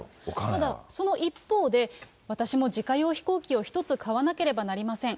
ただ、その一方で、私も自家用飛行機を１つ買わなければなりません。